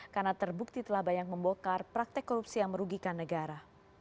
karena terbukti telah banyak membokar praktek korupsi yang merugikan negara